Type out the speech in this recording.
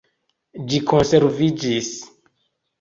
Ĝi konserviĝis.